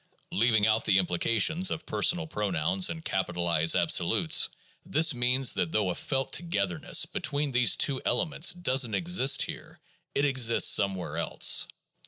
Leaving out the implications of personal pronouns and capitalized absolutes, this means that though a felt togetherness between these two elements doesn't exist here, it exists somewhere else.